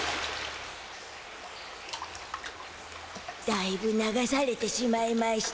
だいぶ流されてしまいましゅた。